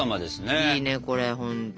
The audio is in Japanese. いいねこれほんと。